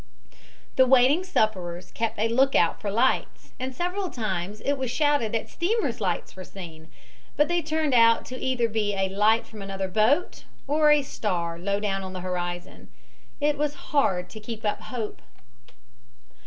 The waiting sufferers kept a lookout for lights, and several times it was shouted that steamers' lights were seen, but they turned out to be either a light from another boat or a star low down on the horizon. It was hard to keep up hope.